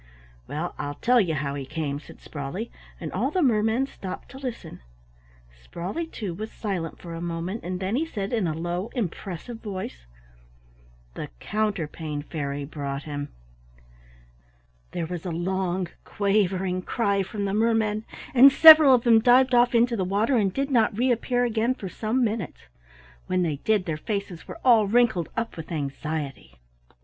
"Well, I'll tell you how he came," said Sprawley, and all the mermen stopped to listen. Sprawley, too, was silent for a moment, and then he said in a low, impressive voice, "The Counterpane Fairy brought him." There was a long, quavering cry from the mermen, and several of them dived off into the water and did not reappear again for some minutes; when they did, their faces were all wrinkled up with anxiety.